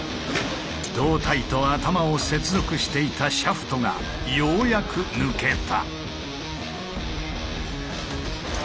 胴体と頭を接続していたシャフトがようやく抜けた。